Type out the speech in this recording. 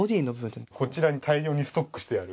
こちらに大量にストックしてある。